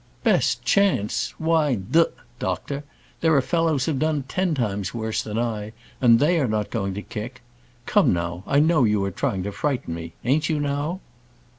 "Best chance? Why, d n, doctor! there are fellows have done ten times worse than I; and they are not going to kick. Come, now, I know you are trying to frighten me; ain't you, now?"